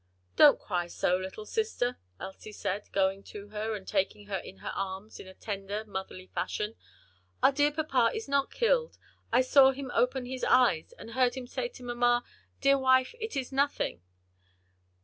"Don't cry so, little sister," Elsie said, going to her and taking her in her arms in tender motherly fashion, "our dear papa is not killed; I saw him open his eyes, and heard him say to mamma, 'Dear wife, it is nothing.'"